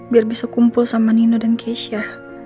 biar bisa kumpul sama nino dan keisha